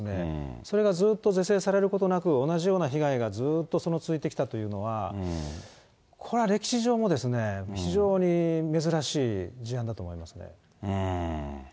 それがずっと是正されることなく、同じような被害がずーっと続いてきたというのは、これは歴史上も、非常に珍しい事案だと思いますね。